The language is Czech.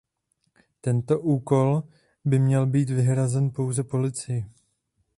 Tento úkol by měl být vyhrazen pouze policii.